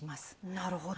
なるほど。